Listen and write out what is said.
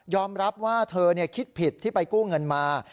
รับว่าเธอคิดผิดที่ไปกู้เงินมา